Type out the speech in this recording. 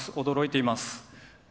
驚いています。